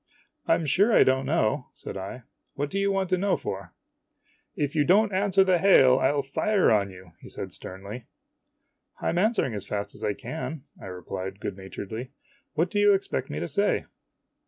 o " I 'm sure I don't know," said I. " What do you want to know for ?"" If you don't answer the hail, I '11 fire on you !" he said sternly. " I 'm answering as fast as I can," I replied good naturedly. " What do you expect me to say